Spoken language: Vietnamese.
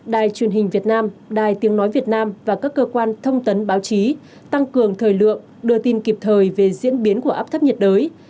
đài truyền hình việt nam đài tiếng nói việt nam và các cơ quan thông tấn báo chí tăng cường thời lượng đưa tin kịp thời về diễn biến của áp thấp nhiệt đới